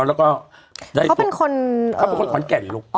แล้วก็เขาเป็นคนขอนแก่ลูก